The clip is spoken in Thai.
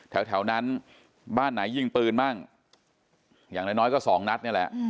แถวนั้นบ้านไหนยิงปืนบ้างอย่างน้อยก็สองนัดนี่แหละ